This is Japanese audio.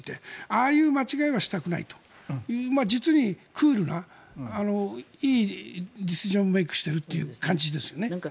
ああいう間違えはしたくないという実にクールないいディシジョンメイクしてる感じですよね。